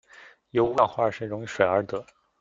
由五氧化二砷溶于水而得。